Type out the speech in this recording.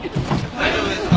大丈夫ですか！？